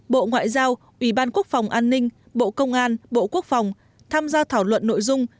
bộ ngoại giao ủy ban quốc phòng an ninh bộ công an bộ quốc phòng tham gia thảo luận nội dung